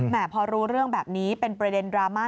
พอรู้เรื่องแบบนี้เป็นประเด็นดราม่า